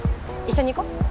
一緒に行こう。